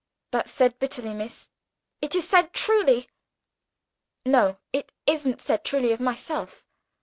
"That's said bitterly, miss!" "Is it said truly?" "No. It isn't said truly of myself.